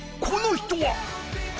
この人は！